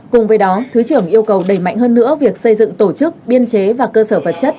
cùng với đó thứ trưởng yêu cầu đẩy mạnh hơn nữa việc xây dựng tổ chức biên chế và cơ sở vật chất